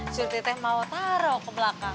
suruh teteh mau taruh kebelakang